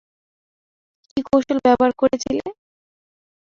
কী কৌশল ব্যবহার করেছিলে?